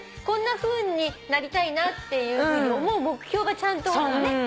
こんなふうになりたいなっていうふうに思う目標がちゃんとね。